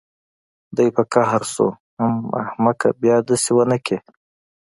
دى په قهر شو حم احمقه بيا دسې ونکې.